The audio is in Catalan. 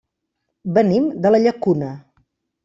Venim de la Llacuna.